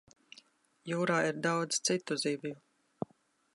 Jūrā ir daudz citu zivju.